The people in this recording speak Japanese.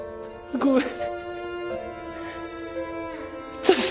ごめん。